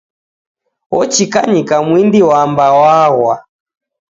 Ochikanyika mwindi wamba waghwa